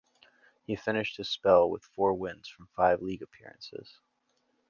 He finished his spell with four wins from five league appearances.